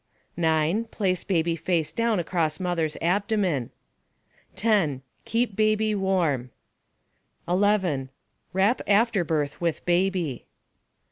9. Place baby face down across mother's abdomen. 10. Keep baby warm. 11. Wrap afterbirth with baby.